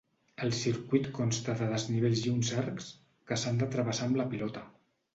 El circuit consta de desnivells i uns arcs que s'han de travessar amb la pilota.